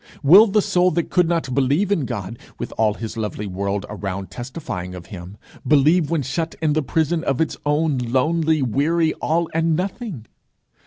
Will the soul that could not believe in God, with all his lovely world around testifying of him, believe when shut in the prison of its own lonely, weary all and nothing?